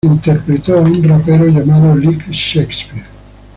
Interpretó a un rapero llamado Lil' Shakespeare.